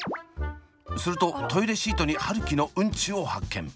するとトイレシートに春輝のうんちを発見。